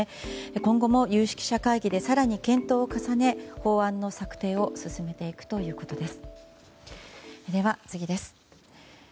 今後も有識者会議で検討を重ね法案の策定を進めていくということです。